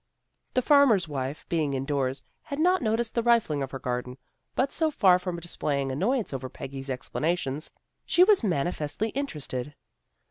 " The farmer's wife, being indoors, had not noticed the rifling of her garden, but so far from displaying annoyance over Peggy's ex planations, she was manifestly interested.